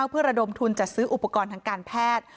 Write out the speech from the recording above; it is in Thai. เพื่อระดมทุนจัดซื้ออุปกรณ์ทางการแพทย์